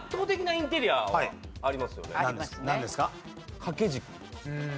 掛け軸。